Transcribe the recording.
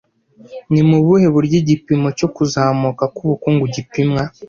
Ni mu buhe buryo igipimo cyo kuzamuka k'ubukungu gipimwa